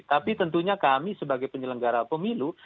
tapi tentunya kami sebagai penyelenggara pemilu